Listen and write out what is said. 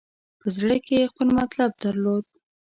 په زړه کې یې خپل مطلب درلود.